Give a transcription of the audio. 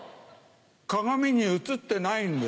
鏡に映ってないんで。